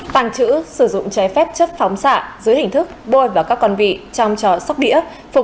tàng trữ sử dụng trái phép chất phóng xạ dưới hình thức bôi vào các con vị trong trò sóc đĩa